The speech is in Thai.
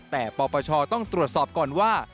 แต่ปปชต้องตรวจสอบก่อนว่า